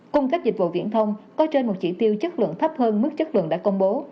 cung cấp dịch vụ viễn thông có trên một chỉ tiêu chất lượng thấp hơn mức chất lượng đã công bố